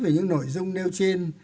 về những nội dung nêu trên